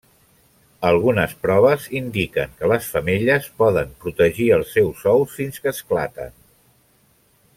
Algunes proves indiquen que les femelles poden protegir els seus ous fins que esclaten.